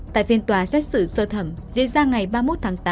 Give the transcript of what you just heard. tại phiên tòa xét xử sơ thẩm diễn ra ngày ba mươi một tháng tám